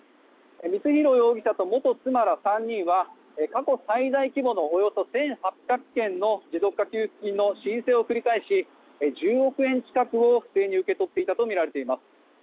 光弘容疑者と元妻ら３人は過去最大規模のおよそ１８００件の持続化給付金の申請を繰り返し１０億円近くを不正に受け取っていたとみられています。